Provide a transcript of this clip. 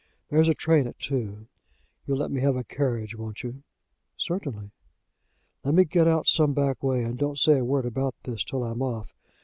There's a train at two. You'll let me have a carriage; won't you?" "Certainly." "Let me get out some back way, and don't say a word about this till I'm off.